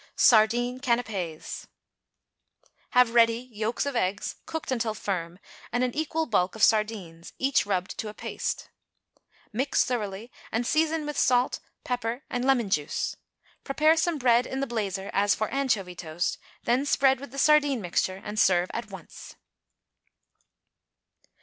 =Sardine Canapés.= Have ready yolks of eggs, cooked until firm, and an equal bulk of sardines, each rubbed to a paste. Mix thoroughly, and season with salt, pepper and lemon juice. Prepare some bread in the blazer as for anchovy toast; then spread with the sardine mixture and serve at once.